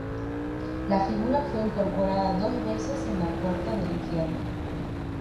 La figura fue incorporada dos veces en La Puerta del Infierno.